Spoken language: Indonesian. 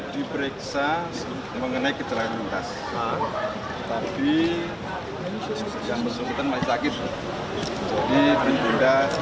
diperiksa mengenai kecelakaan lintas